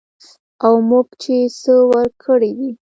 او موږ چې څه ورکړي دي